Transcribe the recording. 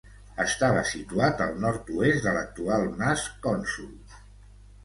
Estava situat al nord-oest de l'actual Mas Cònsol.